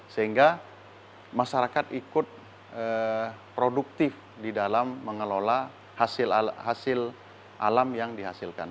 sehingga masyarakat ikut produktif di dalam mengelola hasil alam yang dihasilkan